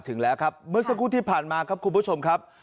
สัสกุลที่ผ่านมาครับคุณผู้ชมครับ